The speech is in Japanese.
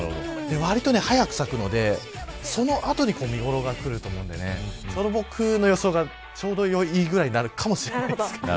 割と早く咲くのでその後に見頃がくると思うので僕の予想がちょうどいいぐらいになるかもしれないです。